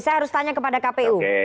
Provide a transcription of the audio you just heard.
saya harus tanya kepada kpu